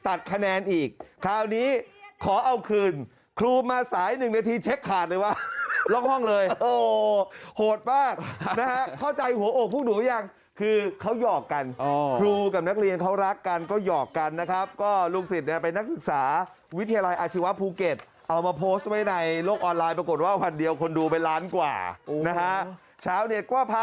ตัดคะแนนอีกคราวนี้ขอเอาคืนครูมาสายหนึ่งนาทีเช็คขาดเลยว่าล็อกห้องเลยโอ้โหโหดมากนะฮะเข้าใจหัวอกพวกหนูยังคือเขาหยอกกันครูกับนักเรียนเขารักกันก็หยอกกันนะครับก็ลูกศิษย์เนี่ยเป็นนักศึกษาวิทยาลัยอาชีวะภูเก็ตเอามาโพสต์ไว้ในโลกออนไลน์ปรากฏว่าวันเดียวคนดูไปล้านกว่านะฮะชาวเน็ตว่าพ